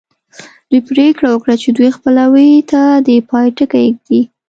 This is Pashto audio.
دوی پرېکړه وکړه چې دې خپلوۍ ته د پای ټکی ږدي